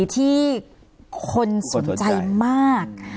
ที่คนสนใจมาก